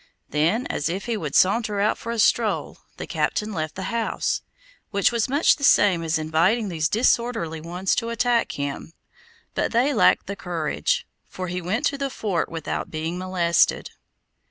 Then, as if he would saunter out for a stroll, the captain left the house, which was much the same as inviting these disorderly ones to attack him; but they lacked the courage, for he went to the fort without being molested.